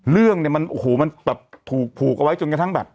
เรื่องเนี่ยมันโอ้โหมันแบบถูกผูกเอาไว้จนกระทั่งแบบ